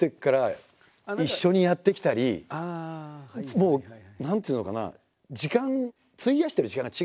もう何ていうのかな時間費やしてる時間が違うんですよ。